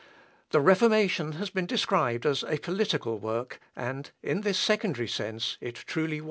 The Reformation has been described as a political work, and in this secondary sense it truly was so.